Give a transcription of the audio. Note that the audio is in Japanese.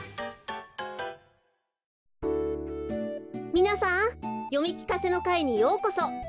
みなさんよみきかせのかいにようこそ。